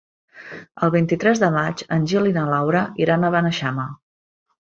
El vint-i-tres de maig en Gil i na Laura iran a Beneixama.